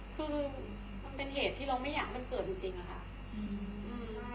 คือมันเป็นเหตุที่เราไม่อยากให้มันเกิดจริงอะค่ะ